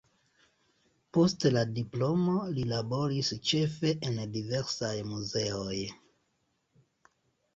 Post la diplomo li laboris ĉefe en diversaj muzeoj.